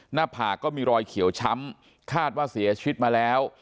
หน้าผากก็มีรอยเขียวช้ำคาดว่าเสียชีวิตมาแล้ว